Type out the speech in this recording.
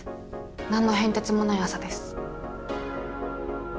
何の変哲もない朝です。